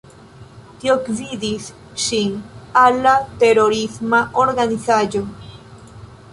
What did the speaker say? Tio gvidis ŝin al la terorisma organizaĵo.